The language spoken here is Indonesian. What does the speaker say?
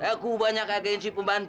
aku banyak agakin si pembantu